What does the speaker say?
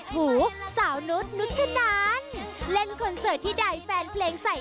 เจ้าแจ๊ะริมจอวันนี้